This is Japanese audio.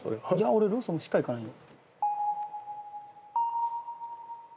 俺ローソンしか行かないよ